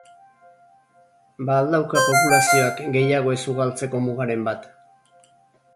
Ba al dauka populazioak gehiago ez ugaltzeko mugaren bat?